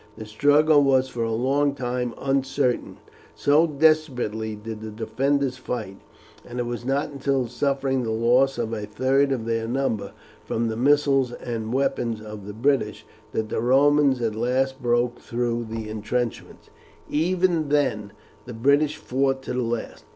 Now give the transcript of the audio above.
The struggle was for a long time uncertain, so desperately did the defenders fight; and it was not until suffering the loss of a third of their number, from the missiles and weapons of the British, that the Romans at last broke through the intrenchment. Even then the British fought to the last.